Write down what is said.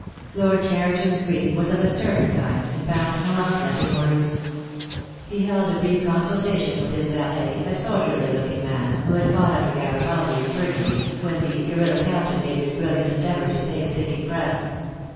Lord Cheriton's grief was of a sterner kind, and found no outlet in words. He held a brief consultation with his valet, a soldierly looking man, who had fought under Garibaldi in Burgundy, when the guerilla captain made his brilliant endeavour to save sinking France.